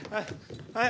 はい。